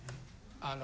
・あの。